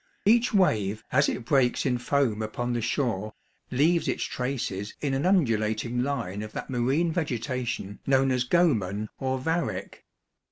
Each wave, as it breaks in foam upon the shore, leaves its traces in an undulating line of that marine vegetation known as goemon or varech.